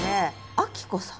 暁子さん。